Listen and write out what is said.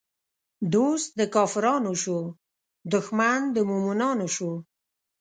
دوست د کافرانو شو، دښمن د مومنانو شو